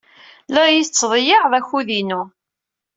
La iyi-tettḍeyyiɛeḍ akud-inu.